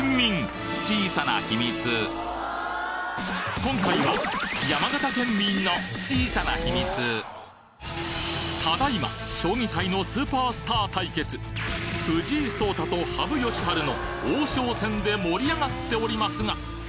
今回は山形県民の小さな秘密ただ今将棋界のスーパースター対決の王将戦で盛り上がっておりますが！